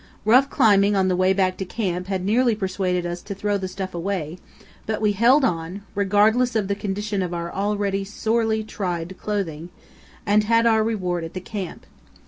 Rough climbing on the way back to camp had nearly persuaded us to throw the stuff away, but we had held on (regardless of the condition of our already sorely tried clothing), and had our reward at the camp.